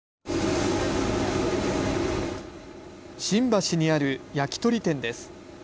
新橋にある焼き鳥店です。